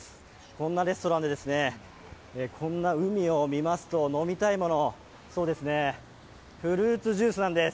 こんなレストランでこんな海を見ますと飲みたいもの、フルーツジュースなんです。